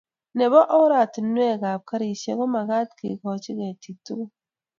Nebo oratinwek ak garisiek komagat kekoch ketik tugul